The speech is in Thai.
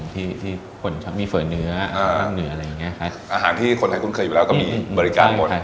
ที่คุณเคยอยู่แล้วก็มีบริการหมด